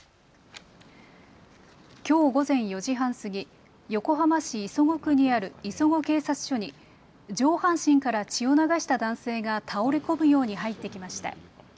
きょう午前４時半過ぎ横浜市磯子区にある磯子警察署に上半身から血を流した男性が倒れ込むように入ってきました。